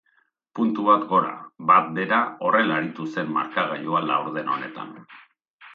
Puntu bat gora, bat behera horrela aritu zen markagailua laurden honetan.